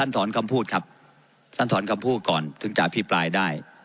ท่านถอนคำพูดก่อนจากพีพรายได้